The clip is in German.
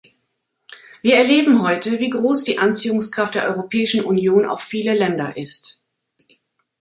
Wir erleben heute, wie groß die Anziehungskraft der Europäischen Union auf viele Länder ist.